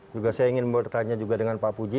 juga saya ingin bertanya juga dengan pak puji